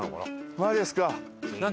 マジですか。